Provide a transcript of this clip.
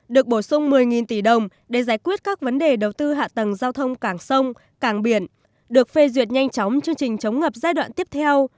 được bổ sung một mươi tỷ đồng để giải quyết các vấn đề đầu tư hạ tầng giao thông cảng sông cảng biển được phê duyệt nhanh chóng chương trình chống ngập giai đoạn tiếp theo